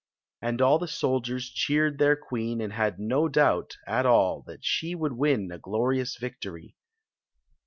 And all ikt sddiere cheered tficir queen and had no doubt at all that she would win a glorious victory.